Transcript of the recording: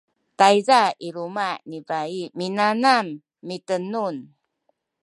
tayza i luma’ ni bai minanam mitenun